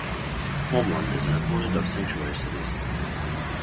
Holmlund is an opponent of Sanctuary cities.